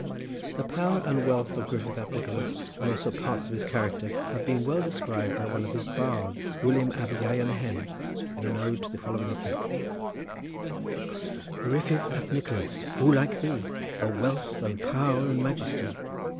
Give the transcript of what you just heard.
The power and wealth of Griffith ap Nicholas and also parts of his character have been well described by one of his bards, Gwilym ab Ieuan Hen, in an ode to the following effect:— "Griffith ap Nicholas, who like thee For wealth and power and majesty!